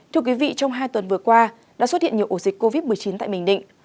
trong hai tuần vừa qua đã xuất hiện nhiều ổ dịch covid một mươi chín tại bình định